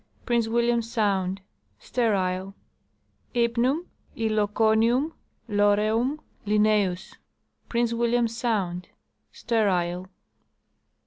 Prince William sound. Sterile. Hypnum {Hylocomium) loreum, L. Prince William sound. Sterile.